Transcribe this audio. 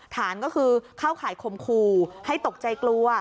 ฐานก็คือเข้าข่ายคมคู่ให้ตกใจกลัว